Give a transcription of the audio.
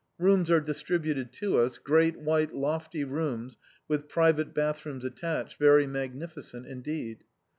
Rooms are distributed to us, great white lofty rooms with private bathrooms attached, very magnificent indeed.